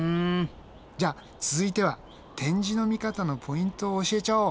じゃあ続いては展示の見方のポイントを教えちゃおう！